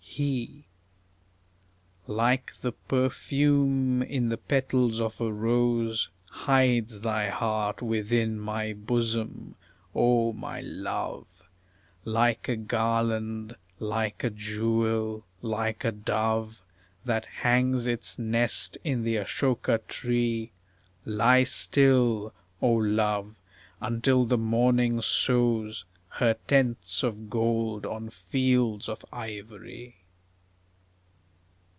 He Like the perfume in the petals of a rose, Hides thy heart within my bosom, O my love! Like a garland, like a jewel, like a dove That hangs its nest in the asoka tree. Lie still, O love, until the morning sows Her tents of gold on fields of ivory.